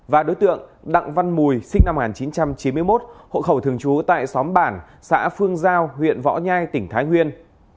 và đối tượng đặng văn mùi sinh năm một nghìn chín trăm chín mươi một hộ khẩu thường trú tại xóm bản xã phương giao huyện võ nhai tỉnh thái nguyên